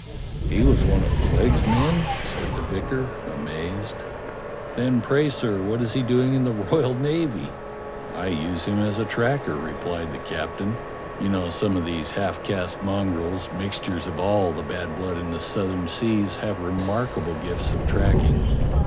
"He was one of Clegg's men.? " said the vicar, amazed. "Then pray, sir, what is he doing in the royal navy.^^ " "I use him as tracker," replied the captain. "You know, some of these half caste mongrels, mixtures of all the bad blood in the Southern Seas, have remarkable gifts of tracking.